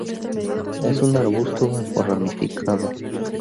Es un arbusto bajo ramificado.